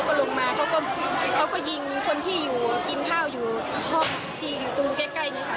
เพราะว่าหนูเขาเรียนอยู่ที่นี่ทีนี้เขาก็เปิดประตูเขาก็ลงมา